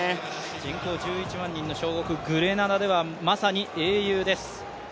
人口１１万人の小国グレナダではまさに英雄です。